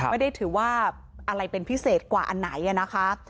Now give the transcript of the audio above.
ไม่ได้ถือว่าอะไรเป็นพิเศษกว่าอันไหนนะคะ